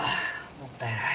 もったいない。